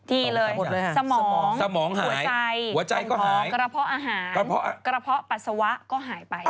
ที่เลยสมองหัวใจกระเพาะอาหารกระเพาะปัสสาวะก็หายไป